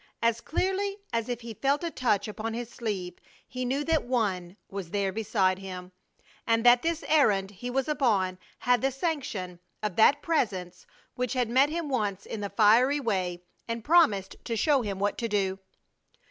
As clearly as if he felt a touch upon his sleeve he knew that One was there beside him, and that this errand he was upon had the sanction of that Presence which had met him once in the fiery way and promised to show him what to do.